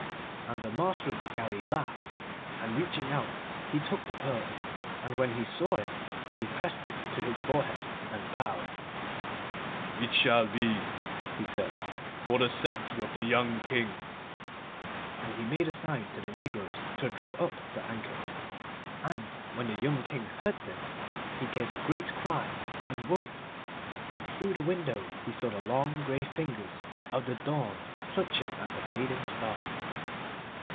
And the master of the galley laughed, and, reaching out, he took the pearl, and when he saw it he pressed it to his forehead and bowed. 'It shall be,' he said, 'for the sceptre of the young King,' and he made a sign to the negroes to draw up the anchor. And when the young King heard this he gave a great cry, and woke, and through the window he saw the long grey fingers of the dawn clutching at the fading stars.